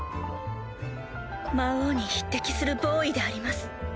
魔王に匹敵する暴威であります。